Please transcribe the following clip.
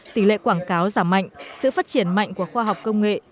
tỷ lệ quảng cáo giảm mạnh sự phát triển mạnh của khoa học công nghệ